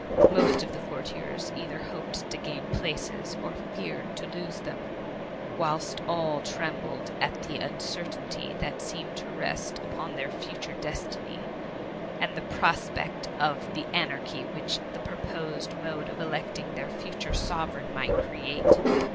Most of the courtiers either hoped to gain places, or feared to lose them, whilst all trembled at the uncertainty that seemed to rest upon their future destiny, and the prospect of the anar chy which the purposed mode of electing their future Sovereign might create.